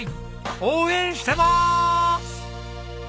応援してます！